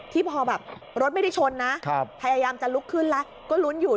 พอแบบรถไม่ได้ชนนะพยายามจะลุกขึ้นแล้วก็ลุ้นอยู่